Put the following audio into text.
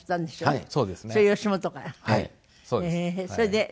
はい。